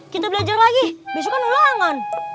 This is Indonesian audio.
kita belajar lagi besok kan ulangan